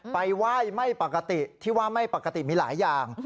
ไปไหว้ไม่ปกติที่ว่าไม่ปกติมีหลายอย่าง